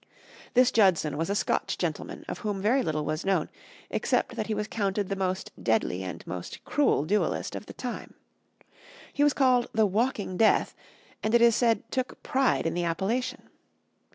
This Judson was a Scotch gentleman of whom very little was known, except that he was counted the most deadly and most cruel duelist of the time. He was called the "Walking Death," and it is said took pride in the appellation.